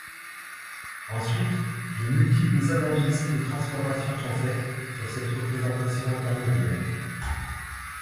Ensuite, de multiples analyses et transformations sont faites sur cette représentation intermédiaire.